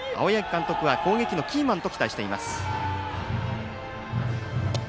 青柳監督は攻撃のキーマンと期待しています。